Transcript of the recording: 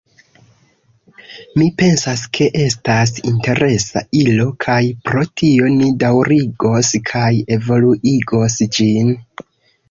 Mi pensas ke estas interesa ilo, kaj pro tio ni daŭrigos kaj evoluigos ĝin.